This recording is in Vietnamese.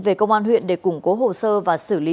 về công an huyện để củng cố hồ sơ và xử lý